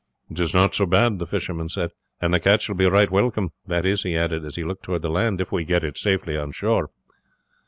"'Tis not so bad," the fisherman said, "and the catch will be right welcome that is," he added, as he looked toward the land, "if we get it safely on shore."